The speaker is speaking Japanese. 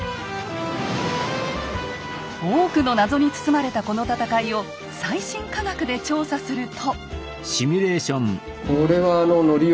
多くの謎に包まれたこの戦いを最新科学で調査すると。